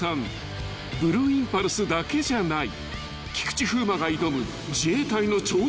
［ブルーインパルスだけじゃない］